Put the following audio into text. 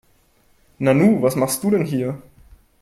Nanu, was machst du denn hier?